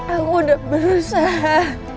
aku udah berusaha